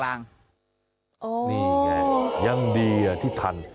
นี่ไงยังดีที่ทัน